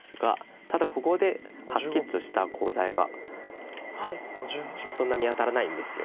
ただここではっきりとしたコウ材がそんな見当たらないんですよね。